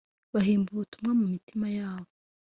bahimba “ubutumwa” mu mitima yabo